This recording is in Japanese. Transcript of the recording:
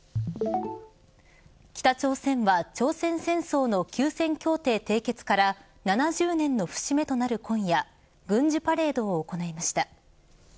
北朝鮮は朝鮮戦争の休戦協定締結から７０年の節目となる今夜軍事パレードを行いました。